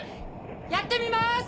やってみます！